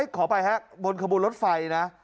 ขอไปครับบนขบวนรถไฟนะ